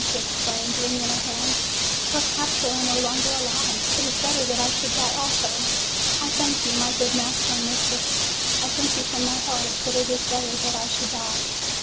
she exclaimed, wringing her hands; "perhaps they are no longer alive! It is better that I should die also. I thank you, my good master and mistress ; I thank you from my heart. But it is better that I should die.